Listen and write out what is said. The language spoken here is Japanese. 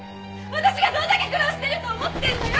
私がどんだけ苦労してると思ってんのよ！